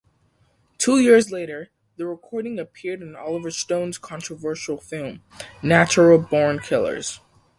Two years later, the recording appeared in Oliver Stone's controversial film, "Natural Born Killers".